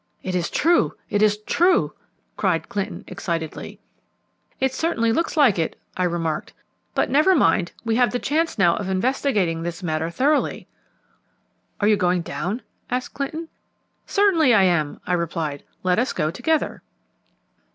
"It is true! It is true!" cried Clinton excitedly. "It certainly looks like it," I remarked: "but never mind, we have the chance now of investigating this matter thoroughly." "Are you going down?" asked Clinton. "Certainly I am," I replied. "Let us go together."